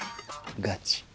ガチ。